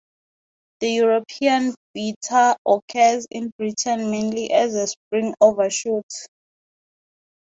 The European bee-eater occurs in Britain mainly as a spring overshoot.